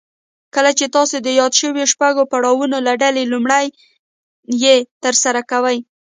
کله چې تاسې د يادو شويو شپږو پړاوونو له ډلې لومړی يې ترسره کوئ.